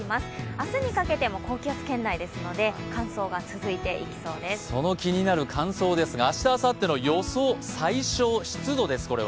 明日にかけても高気圧圏内ですのでその気になる乾燥ですが明日、あさっての予想、最小湿度です。